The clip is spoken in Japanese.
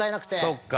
そっか。